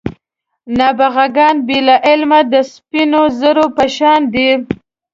نابغه ګان بې له علمه د سپینو زرو په شان دي.